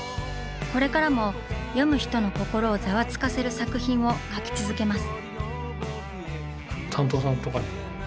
これからも読む人の心をざわつかせる作品を描き続けます。